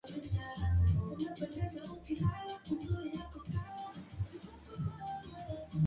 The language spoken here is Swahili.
Kujikaza ndio mwendo